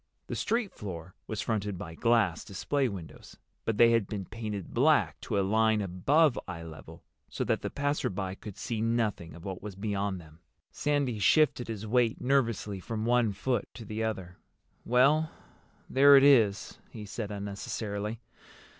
The street floor was fronted by glass display windows, but they had been painted black to a line above eye level, so that the passer by could see nothing of what was beyond them. Sandy shifted his weight nervously from one foot to the other. "Well, there it is," he said unnecessarily.